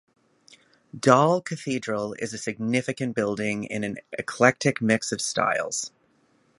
Dol Cathedral is a significant building in an eclectic mix of styles.